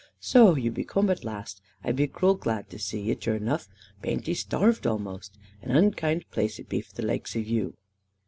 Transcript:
"So, ye be coom at last! I be crule glad to zee e, zure enough. Baint e starved amost! An unkid place it be for the laikes of you."